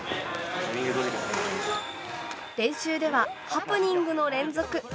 練習ではハプニングの連続。